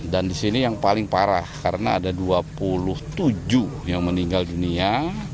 dan di sini yang paling parah karena ada dua puluh tujuh yang meninggal dunia